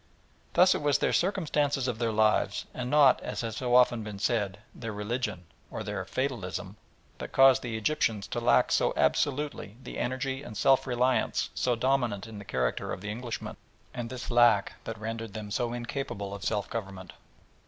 Thus it was the circumstances of their lives, and not, as has so often been said, their religion, or their "fatalism," that caused the Egyptians to lack so absolutely the energy and self reliance so dominant in the character of the Englishman, and this lack that rendered them so incapable of self government.